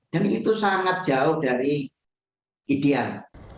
dan itu sangat jauh dari ideal